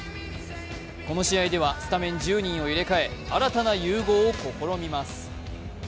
この試合ではスタメンと１０人を入れかえ新たな融合を試みます。